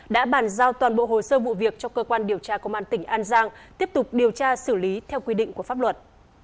đã bàn giao toàn bộ hồ sơ vụ việc cho cơ quan điều tra công an tỉnh an giang tiếp tục điều tra xử lý theo quy định của pháp luật